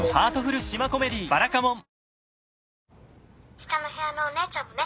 下の部屋のお姉ちゃんもね。